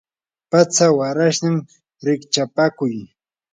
patsa warashnam rikchapakuy.